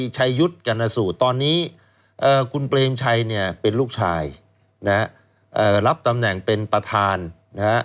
ยุทธ์กรณสูตรตอนนี้คุณเปรมชัยเนี่ยเป็นลูกชายนะฮะรับตำแหน่งเป็นประธานนะฮะ